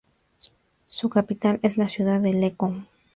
Su capital es la ciudad de Lecco.